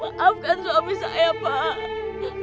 maafkan suami saya pak